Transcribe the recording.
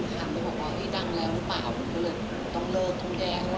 ถามไปบอกว่าดังแล้วหรือเปล่าคือต้องเลิกต้องแยก